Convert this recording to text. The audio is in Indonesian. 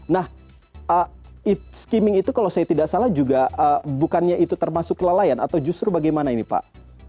nah skimming itu kalau saya tidak salah juga bukannya itu termasuk kelalaian atau justru bagaimana ini pak